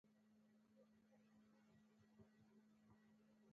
او په پوره ايمان دارۍ يې په ليکني بنه خوندي نه کړي.